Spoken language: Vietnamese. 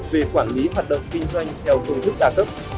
về quản lý hoạt động kinh doanh theo phương thức đa cấp